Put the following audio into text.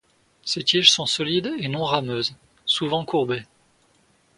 Ses tiges sont solides et non rameuses, souvent courbées.